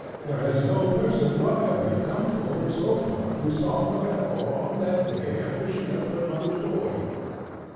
There has no person, whatever, come forward, so far, who saw her at all, on that day, after she left her mother's door....